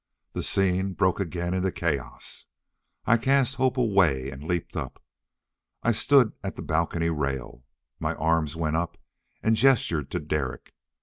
The scene broke again into chaos. I cast Hope away and leaped up. I stood at the balcony rail. My arms went up and gestured to Derek.